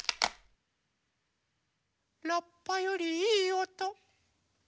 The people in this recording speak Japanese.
ラッパよりいいおと。